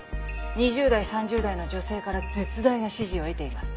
２０代３０代の女性から絶大な支持を得ています。